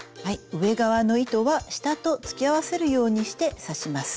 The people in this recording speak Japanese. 上側の糸は下と突き合わせるようにして刺します。